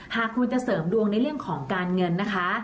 หากคุณจะเสริมดวงในเรื่องของการเงินนะคะ